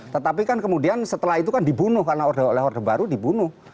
tetapi kan kemudian setelah itu kan dibunuh karena oleh orde baru dibunuh